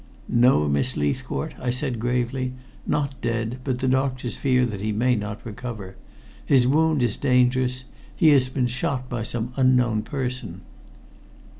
"No, Miss Leithcourt," I said gravely, "not dead, but the doctors fear that he may not recover. His wound is dangerous. He has been shot by some unknown person."